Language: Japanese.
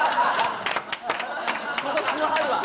今年の春は！